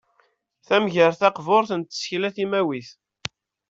Tagmert taqburt n tsekla timawit.